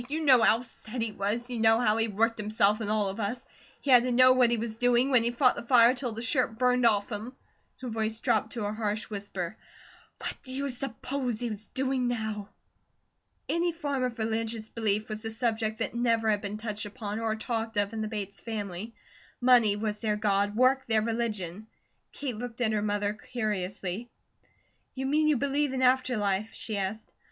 You know how SET he was, you know how he worked himself and all of us he had to know what he was doing, when he fought the fire till the shirt burned off him" her voice dropped to a harsh whisper "what do you s'pose he's doing now?" Any form of religious belief was a subject that never had been touched upon or talked of in the Bates family. Money was their God, work their religion; Kate looked at her mother curiously. "You mean you believe in after life?" she asked.